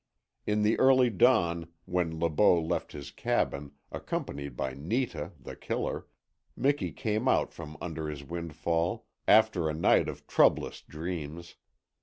In the early dawn, when Le Beau left his cabin, accompanied by Netah, The Killer, Miki came out from under his windfall after a night of troublous dreams.